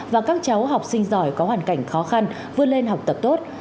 và các cháu học sinh giỏi có hoàn cảnh khó khăn vươn lên học tập tốt